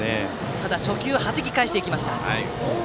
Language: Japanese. ただ、初球をはじき返しました。